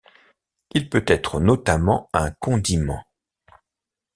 Il peut être notamment un condiment.